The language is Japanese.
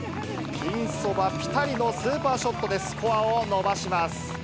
ピンそばぴたりのスーパーショットでスコアを伸ばします。